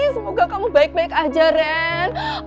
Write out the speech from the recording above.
semoga kamu baik baik aja ren